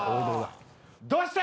どうした？